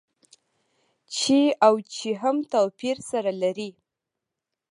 چې او چي هم توپير سره لري.